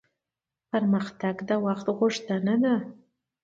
پرمختګ د وخت غوښتنه ده